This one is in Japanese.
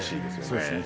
そうですね